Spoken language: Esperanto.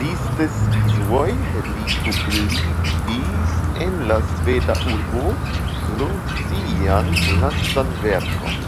Disde Svisujo li publikigis en la sveda urbo Lund sian lastan verkon.